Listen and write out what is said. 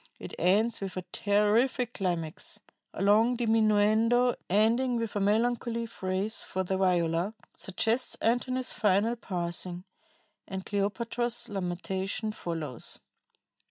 It ends with a terrific climax.... A long diminuendo, ending with a melancholy phrase for the viola, suggests Antony's final passing, and Cleopatra's lamentation follows.